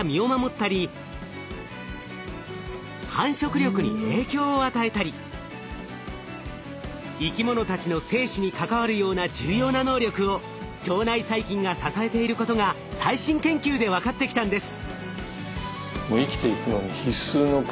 繁殖力に影響を与えたり生き物たちの生死に関わるような重要な能力を腸内細菌が支えていることが最新研究で分かってきたんです。